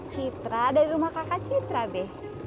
citra dari rumah kakak citra deh